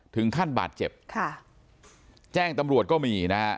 ถึงขั้นบาดเจ็บค่ะแจ้งตำรวจก็มีนะฮะ